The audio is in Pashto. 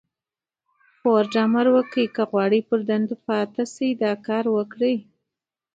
فورډ امر وکړ که غواړئ پر دندو پاتې شئ دا کار وکړئ.